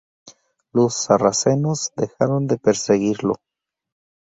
Los sarracenos dejaron de perseguirlo.